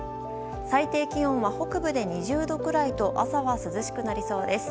最低気温は北部で２０度ぐらいと朝は涼しくなりそうです。